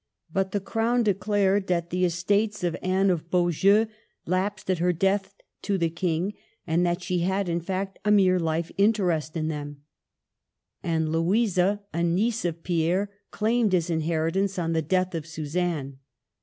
But the Crown declared that CONSTABLE BOURBON. 65 the estates of Anne of Beaujeu lapsed at her death to the King ; that she had, in fact, a mere Hfe interest in them. And Louisa, a niece of Pierre, claimed his inheritance on the death of Suzanne.